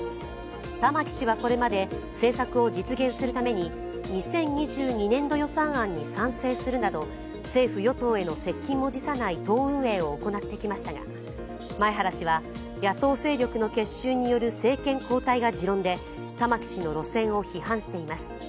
玉木氏はこれまで政策を実現するために２０２２年度予算案に賛成するなど、政府・与党への接近も辞さない党運営を行ってきましたが前原氏は野党勢力の結集による政権交代が持論で玉木氏の路線を批判しています。